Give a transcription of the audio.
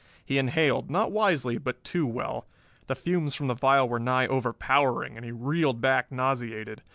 He inhaled, not wisely but too well. The fumes from the vial were nigh overpowering, and he reeled back nauseated.